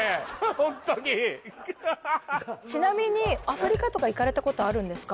ホントにちなみにアフリカとか行かれたことあるんですか？